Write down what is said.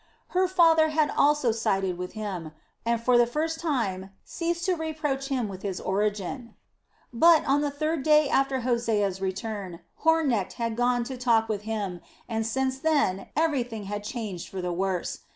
Her father had also sided with him, and for the first time ceased to reproach him with his origin. But, on the third day after Hosea's return, Hornecht had gone to talk with him and since then everything had changed for the worse.